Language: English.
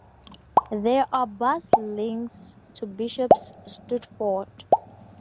There are bus links to Bishop's Stortford.